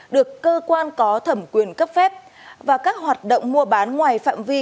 được cơ quan có thẩm quyền cấp phép và các hoạt động mua bán ngoài phạm vi